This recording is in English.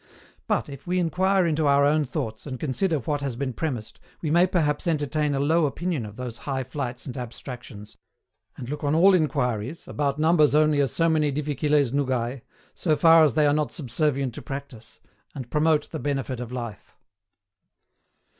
But, if we inquire into our own thoughts, and consider what has been premised, we may perhaps entertain a low opinion of those high flights and abstractions, and look on all inquiries, about numbers only as so many difficiles nugae, so far as they are not subservient to practice, and promote the benefit of life.